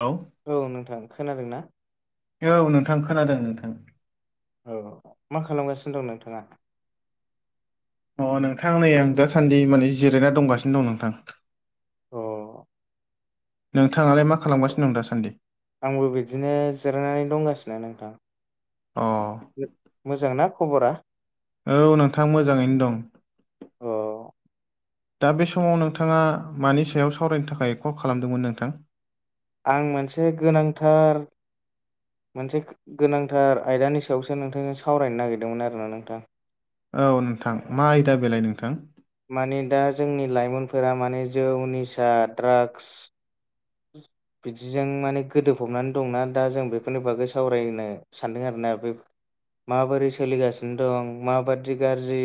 औ औ नोंथां खोनादोंना? औ नोंथां खोनादों नोंथां। औ मा खालामगासिनो दं नोंथाङा? अ नोंथां नै आं दासान्दि माने जिरायना दंगासिनो दं नोंथां। अ। नोंथाङालाय मा खालामगासिनो दं दासान्दि? आंबो बिदिनो जिरायनानै दंगासिनो नोंथां। अ। मोजांना खबरा? औ नोंथां मोजाङैनो दं। अ दा बे समाव नोंथाङा मानि सायाव सावरायनो थाखाय कल खालामदोंमोन नोंथां? आं मोनसे गोनांथार मोनसे गोनांथार आयदानि सायावसो नोंथांजों सावरायनो नागिरदोंमोन आरो ना नोंथां। औ नोंथां मा आयदा बेलाइ नोंथां? माने दा जोंनि लाइमोनफोरा माने जौ निसा ड्राग्स बिदिजों माने गोदोफबनानै दंना दा जों बेफोरनि बागै सावरायनो सानदों आरोना बेफ माबोरै सोलिगासिनो दं माबादि गारजि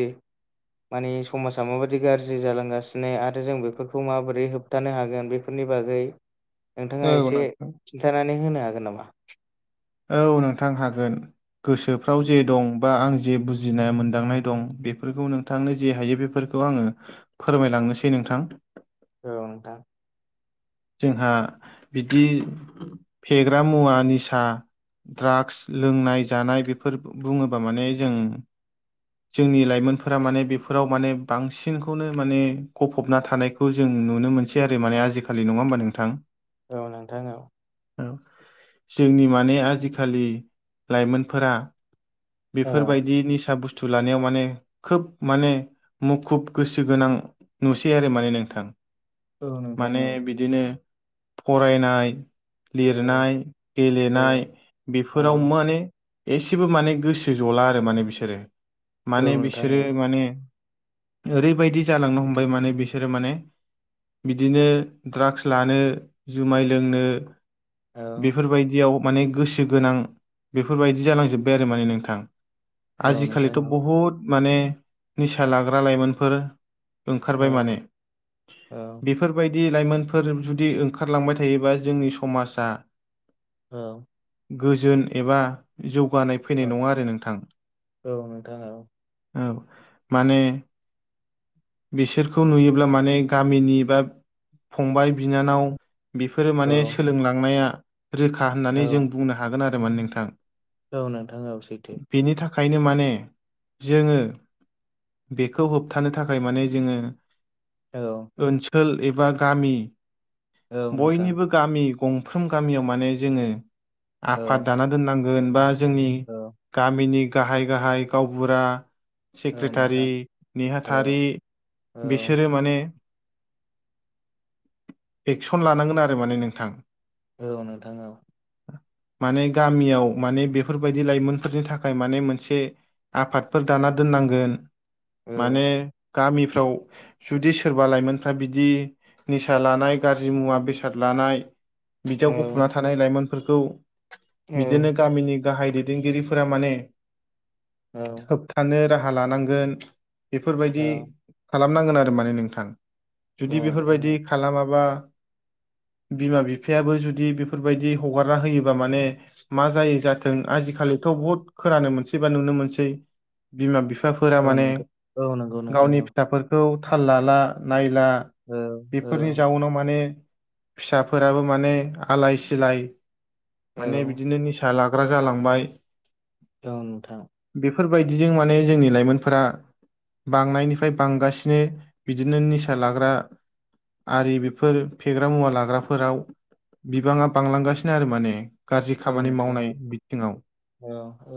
मानि समाजा माबाददि गाज्रि जालांगासिनो आरो जों बेफोरखौ माबोरै होब होबथानो हागोन बेफोरनि बागै औ नोंथाङा एसे नोंथां खिन्थानानै होनो हागोन नामा? औ नोंथां हागोन गोसोफ्राव जे दं बा आं जे बुजिनाय मोनदांनाय दं बेफोरखौ नोंथांनो जे हायो बेफोरखौ आङो फोरमायलांनोसै नोंथां। औ नोंथां। जोंहा बिदि फेग्रा मुवा निसा ड्राग्स लोंनाय जानाय बेफोर बुङोबा माने जों जोंनि लाइमोनफोरा माने बेफोराव माने बांसिनखौनो माने गफबना थानाय खौ जों नुनो मोनसै आरो माने आजिखालि नङा होमबा नोंथां? औ नोंथां औ। औ जोंनि माने आजिखालि लाइमोनफोरा औ बेफोरबायदि निसा बुस्थु लानायाव माने खोब माने मुखुब गोसो गोनां नुसै आरो माने नोंथां। औ नोंथां माने औ बिदिनो फरायनाय औ लिरनाय औ गेलेनाय बेफोराव औ माने एसेबो माने गोसो जला आरो माने बिसोरो। औ माने नोंथां बिसोरो औ माने ओरैबायदि जालांनो हमबाय माने बिसोरो माने बिदिनो ड्राग्स लानो जुमाय लोंनो औ बेफोरबायदियाव माने गोसो गोनां बेफोरबायदि जालांजोब्बाय आरो माने नोंथां। औ नोंथां आजिखालिथ' औ बहुद माने निसा लाग्रा लाइमोनफोर औ ओंखारबाय माने औ बेफोरबायदि लाइमोनफोर जुदि ओंखारलांबाय थायोबा जोंनि समाजा औ। गोजोन एबा जौगानाय औ फैनाय नङा आरो नोंथां। औ नोंथां औ औ माने बिसोरखौ नुयोब्ला माने गामिनि बा फंबाय बिनानाव बेफोरो औ माने सोलोंलांनाया रोखा होननानै जों औ बुंनो हा हागोन आरो माने नोंथां। औ नोंथां औ सैथो। बेनि थाखायनो माने जोङो बेखौ होबथानो थाखाय माने जोङो औ ओनसोल एबा गामि औ नोंथां बयनिबो गामि गंफ्रोम गामियाव माने जोङो औ आफाद दाना दोननांगोन बा जोंनि औ गामिनि गाहाय गाहाय गावबुरा औ सेक्रेटारि नोंथां औ नेहाथारि औ बिसोरो माने एक्सन लानांगोन आरो माने नोंथां औ नोंथां औ। माने गामियाव माने बेफोरबायदि लाइमोनफोरनि थाखाय माने मोनसे आफादफोर दाना दोननांगोन। औ माने गामिफ्राव जुदि सोरबा लाइमोनफ्रा बि बिदि निसा लानाय गाज्रि मुवा बेसाद लानाय बिदियाव औ गफ'ना था थानाय लाइमोनफोरखौ औ बिदिनो गामिनि गाहाय दैदेनगिरिफोरा माने औ होबथानो राहा लानांगोन बेफोरबायदि औ खालामनांगोन आरो माने नोंथां। औ जुदि बेफोरबायदि खालामाबा बिमा बिफायाबो जुदि बेफोरबायदि हगारना होयोबा माने मा जायो जाथों आजिखालिथ' बहुत खोनानो मोनसै बा नुनो मोनसै बिमा बिफाफोरा नोंथां औ माने नोंथां औ नंगौ नोंथां गावनि औ फिसाफोरखौ थाल लाला नायला औ औ बेफोरनि जाउनाव माने फिसाफोराबो माने आलाय सिलाय औ माने बिदिनो निसा लाग्रा जालांबाय औ नोंथां। बेफोरबायदिजों माने जोंनि लाइमोनफोरा बांनायनिफ्राय बांगासिनो बिदिनो निसा लाग्रा आरि बेफोर फेग्रा मुवा लाग्राफोराव बिबाङा बांलांगासिनो आरो माने गाज्रि औ खामानि नोंथां औ मावनाय बिथिङाव औ औ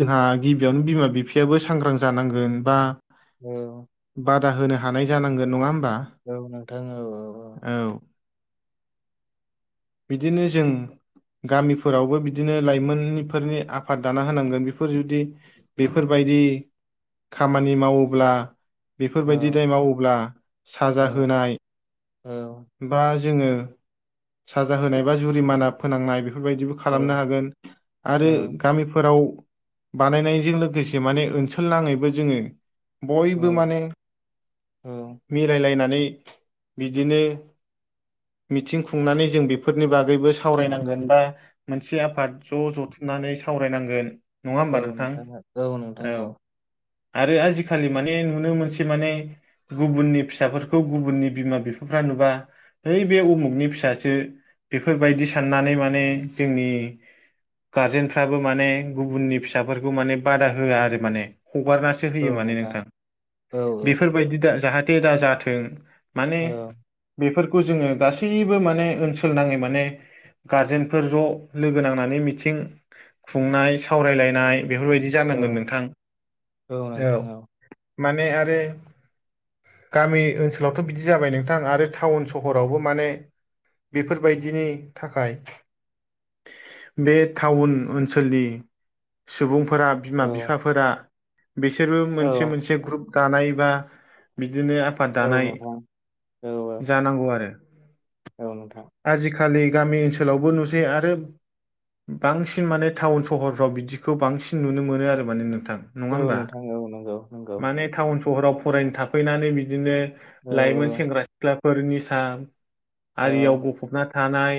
जोंहा गिबियावनो बिमा बिफायाबो सांग्रां जानांगोन बा औ। बादा होनो हानाय जानांगोन नङा होमबा? औ नोंथां औ औ औ औ बिदिनो जों। गामिफोरावबो बिदिनो लाइमोनफोरनि आफाद दाना होनांगोन बेफोर जुदि बेफोरबायदि खामानि मावोब्ला औ बेफोरबायदि दाय मावोब्ला साजा औ होनाय औ। बा जोङो साजा होनाय बा जुरिमाना फोनांनाय बेफोरबायदिबो खालामनो हागोन‌। औ आरो गामिफोराव बानायनायजों लोगोसे माने ओनसोल नाङैबो जोङो औ बयबो माने मिलायलायनानै बिदिनो मिथिं खुंनानै जों बेफोरनि बागैबो सावरायनांगोन बा मोनसे आफाद ज' जथुमनानै सावरायनांगोन। नङा औ होमबा नोंथां? औ नोंथां औ आरो आजिखालि माने नुनो मोनसे माने गुबुननि फिसाफोरखौ गुबुननि बिमा बिफाफ्रा नुबा ओइ बे उमुखनि फि सासो बेफोरबायदि साननानै माने जोंनि गारजेनफ्राबो माने गुबुननि फिसाफोरखौ माने बादा होआ आरो माने हगारनासो औ होयो माने नोंथां औ औ बेफोरबायदि दा जाहाथे दा जाथों। माने बेफोरखौ जोङो गासै बो माने ओनसोल नाङै माने गारजेनफोर ज' लोगो नांनानै मिथिं खुंनाय सावरायलायनाय बेफोरबायदि औ जानांगोन नोंथां औ माने आरो गामि ओनसोलावथ' बिदि जाबाय नोंथां आरो टाउन सहरावबो माने बेफोरबायदिनि थाखाय बे टाउन ओनसोलनि सुबुं फोरा बिमा बिफाफोरा बिसोरबो औ मोनसे मोनसे ग्रुप दानाय बा बिदिनो आफाद औ दानाय नोंथां जानांगौ आरो औ नोंथां। आजिखालि गामि ओनसोलावबो नुसै आरो बांसिन माने टाउन सहरफ्राव बिदिखौ बांसिन नुनो मोनो आरो माने नोंथां। नङा औ होमबा? नोंथां औ नंगौ नंगौ माने टाउन सहराव फरायनो थाफैनानै बिदिनो औ लाइमोन सेंग्रा सिख्लाफोरनिसा औ आरियाव गफबना थानाय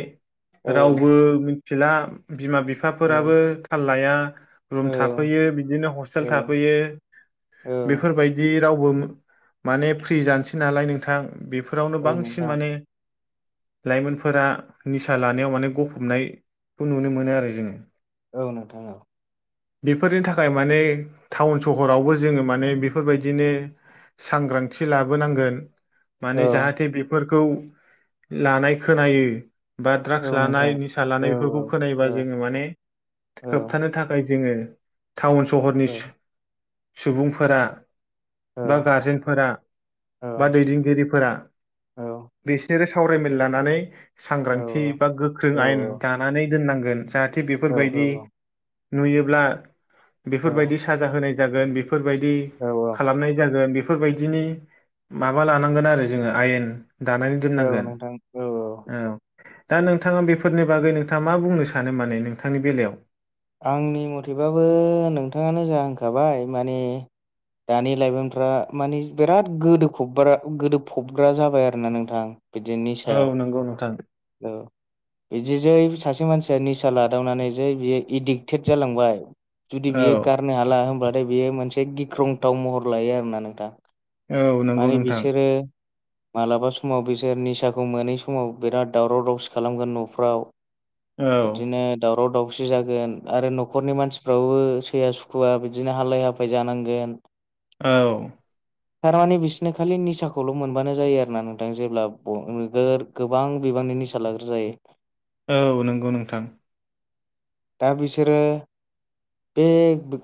औ औ रावबो मिथिला बिमा बिफा औ फिसाफोराबो थाल लाया रुम औ थाफैयो बिदिनो हस्टेल औ थाफैयो औ बेफोरबायदि रावबो माने फ्रि जानोसै नालाय नोंथां बेफोरावनो औ बांसिन नोंथां माने लाइमोनफोरा निसा लानायाव माने गफबनायखौ नुनो मोनो आरो जोङो। औ नोंथाङाव औ। बेफोरनि थाखाय माने टाउन सहरावबो जोङो माने बेफोरबायदिनो सांग्रांथि लाबोनांगोन औ माने जाहाथे बेफोरखौ लानाय खोनायो बा ड्राग्स औ नोंथां लानाय निसा औ लानाय बेफोरखौ औ खोनायोबा जोङो माने होबथानो औ थाखाय जोङो टाउन सहरनि औ सुबुंफोरा औ बा गारजेनफोरा औ बा दैदेनगिरिफोरा बेसे सावरायमेल लानानै औ सांग्रांथि बा गोख्रों औ आयेन दानानै दोननांगोन जाहाथे जाहाथे औ बेफोरबायदि नुयोब्ला बेफोरबायदि साजा होनाय जागोन बे फोरबायदि खालामनाय जागोन बे बेफोरबायदिनि माबा लानांगोन आरो जोङो आयेन दानानै दोननांगोन। नोंथां औ औ औ दा नोंथाङा बेफोरनि बागै नोंथाङा मा बुंनो सानो माने नोंथांनि बेलायाव आंनि मथेबाबो नोंथाङानो जाहांखाबाय माने दानि लाइमोनफ्रा मानिे बिराद गोदोबग्रा गोदो फबग्रा जाबाय आरो ना नोंथां। बिदिनि सायाव नोंगौ नोंथां। औ बिदि जै सासे मानसिया निसा लादावनानै जै बियो एडिक्टेड जालांबाय जुदि औ बियो गारनो हाला होनब्लाथाय बियो मोनसे गिख्रंथाव महर लायो आरोोना नोंथां। औ नंगौ माने नोंथां बिसोरो माबलाबा समाव बिसोर निसाखौ मोनै समाव बिराद दावराव दावसि खालामगोन न'फ्राव औ बिदिनो दावराव दावसि जागोन आरो न'खरनि मानसिफ्राबो सैया सुखुव बिदिनो हालाय हाफाय जानांगोन। औ थारमाने बिसोरनो खालि निसाखौल' मोनबानो जायो आरो ना नोंथां जेब्ला नोगोर गोबां बिबांनिनि सालागोर जायो। औ नंगौ नोंथां।, दा बिसोरो बे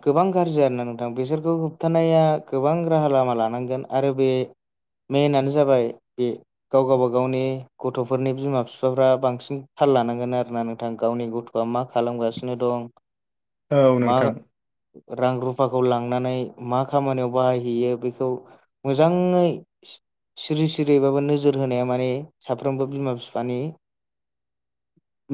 गोबां गाज्रि आरोोना नोंथां बेसोरखौ होबथानाया गोबां राहा लामा लानांगौ आरो बे मेननो जाबाय बे गाव गावबा गावनि गथ'फोरनि बिमा बिफाफ्रा बांसिन थाल लानांगोन आरोना नोंथां गावनि गथ' बा मा खालामगासिनो दं औ मा नोंथां रां रुफाखौ लांनानै मा खामानियाव बाहायहैयो बेखौ मोजाङै सिरि सिरिबाबो नोजोर होनाया माने साफ्रोमबो बिमा बिफानि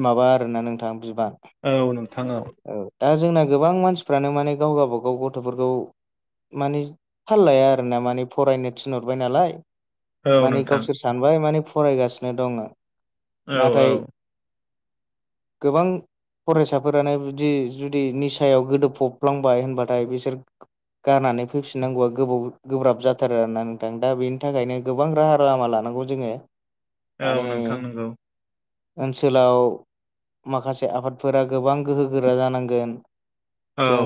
माबा आरोना नोंथां बिबान औ नोंथां औ औ दा जोंना गोबां मानसिफ्रानो माने गाव गावबागाव गथ'फोरखौ मानि फाल लाया आरो ना माने फरायनो थिनहरबाय नालाय औ माने नोंथां गावसोर सानबाय माने फरायगासिनो दङ औ नाथाय [inaudible] गोबां फरायसाफोरानो बुदि जुदि निसायाव गोदोफबफ्लांबाय होनबाथाय बिसोर गारनानै फैफिननांगौआबाव गोबाव गोब्राब जा थारो आरोना नोंथां दा बेनि थाखायनो गोबां राहा लामा लानांगौ जोङो औ माने नोंथां नंगौ ओनसोलाव माखासे आफादफोरा गोबां गोहो गोरा जानांगोन औ जों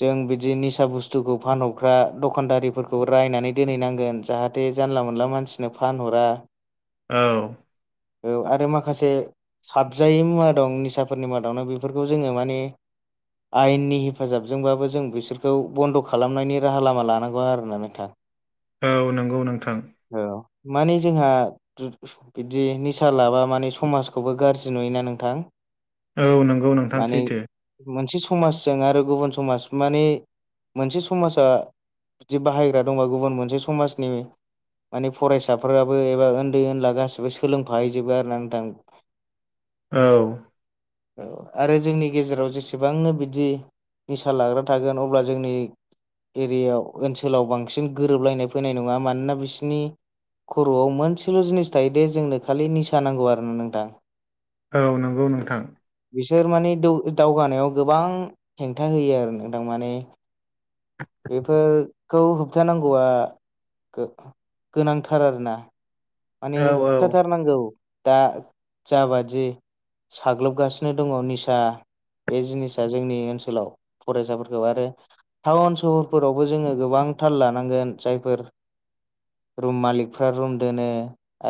जों बिदि निसा बुस्थुखौ फानहरग्रा दखानदारिफोर खौ रायनानै दोनहैनांगोन जाहाथे जानला मोनला मानसिनो फानहरा औ औ आरो माखासे साबजायै मुवा दं निसाफोरनि मादावनो बेफोरखौ जोङो माने आयेननि हेफाजाबजोंबाबो जों बिसोरखौ बन्द' खालामनायनि राहा लामा लानांगौ आरोना नों थां औ नोंगौ नोंथां औ माने जोंहा बिदि निसा लाबा माने समाजखौबो गाज्रि नुयोना नोंथां औ नंगौ नोंथां माने सैथो मोनसे समाजजों आरो गुबुन समाज माने मोनसे समाजा बिदि बाहायग्रा दंबा गुबुन मोनसे समाजनि माने फरायसाफोराबो एबा उन्दै ओनला गाैबो सोलोंफाहैजोबो आरो ना नोंथां औ आरो जोंनि गेजेराव जेसेबांनो बिदि निसा लाग्रा थागोन अब्ला जोंनि एरियायाव ओनसोलाव बांसिन गोरोबलायनाय फैनाय नङा मानोना बिसिनि खर'आव मोनसेल' जिनिस थायोदे जोंनो खालि निसा नांगौ आरोना नोंथां औ नंगौ नोंथां बिसोर माने दौ दावगानायाव गोबां हेंथा होयो आरो नोंथां माने [unintelligible] बेफोरखौ होबथानांगौआ गो गोनांथार आरोना मानि औ औ होबथा थार नांगौ दा जाबादि साग्लोबगासिनो दङ निसा बे जिनिसा जोंनि ओनसोलाव फरायसाफोरखौ आरो टाउन सहरफोरावबो जोङो गोबां थाल लानांगोन जायफोर रुम मालिकफ्रा रुम दोनो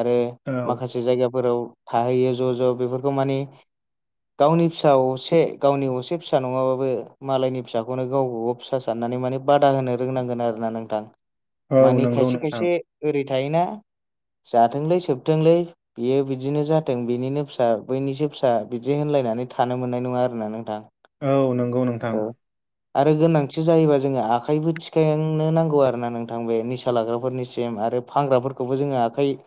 आरो औ माखासे जायगाफोराव थाहैयो ज' ज' बेफोरखौ माने गावनि फिसा असे गावनि असे फिसा नङाबाबो मालायनि फिसाखौनो गाव गाव फिसा साननानै माने बादा होनो रोंनांगोन आरोना नोंथां औ मानि नंगौ खायसे नोंथां खायसे ओरै थायोना जाथोंलै सोबथोंलै बियो बिदिनो जाथों बिनिनो फिसा बैनिसो फिसा बिदि होनलायनानै थानो मोननाय नङा आरोना नोंथां औ नोंगौ नोंथां आरो गोनांथि जायोबा जोङो आखाइबो थिखायांनो नांगौ आरो ना नोंथां बे निसा लाग्राफोरनिसिम आरो फानग्राफोरखौबो जोङो आखाइ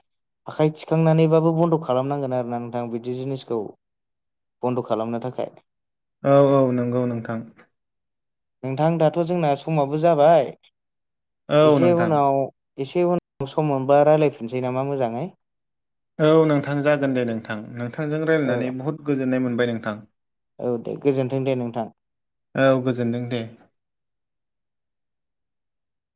आखाइ थिखांनानैबाबो बन्द' खालामनांगोन आरोना नोंथां बिदि जिनिसखौ बन्द' खालामनो थाखाय औ औ नंगौ नोंथां। नोंथां दाथ' जोंना समाबो जाबाय। औ एसे नोंथां उनाव एसे उनाव सम मोनबा रायलायफिनसै नामा मोजाङै। औ नोंथां जागोन दे नोंथां नोंथांजों औ रायलायनानै बहुद गोजोननाय मोनबाय नोंथां। औ दे गोजोन्थों दे नोंथां। औ गोजोनदों दे।